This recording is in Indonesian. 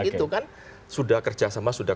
itu kan sudah kerjasama sudah